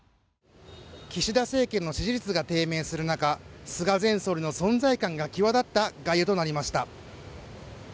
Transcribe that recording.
岸田政権の支持率が低迷する中菅前総理の存在感が際だった外遊となりました。